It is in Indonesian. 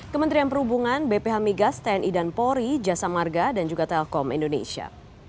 kementerian perhubungan bph migas tni dan polri jasa marga dan juga telkom indonesia